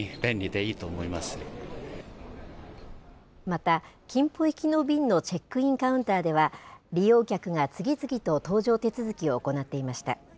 また、キンポ行きの便のチェックインカウンターでは、利用客が次々と搭乗手続きを行っていました。